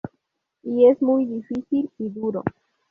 Y es muy difícil y duro.